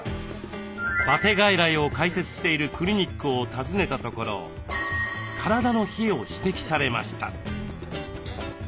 バテ外来を開設しているクリニックを訪ねたところ体の冷えを指摘されました。